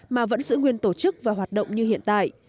mà vẫn giữ nguyên tổ chức và hoạt động như hiện tại